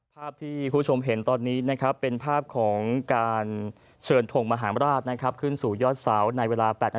พระเจ้าอยู่หัว